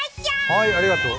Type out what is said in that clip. はい、ありがとう。